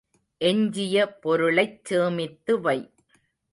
எஞ்சிய பொருளைச் சேமித்துவை.